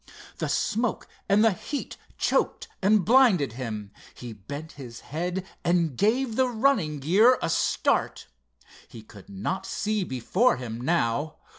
The smoke and the heat choked and blinded him. He bent his head and gave the running gear a start. He could not see before him now.